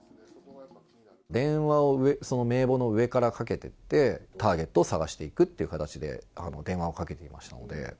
電話を名簿の上からかけていって、ターゲットを探していくって形で電話をかけていましたので。